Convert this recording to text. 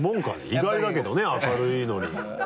意外だけどね明るいのに。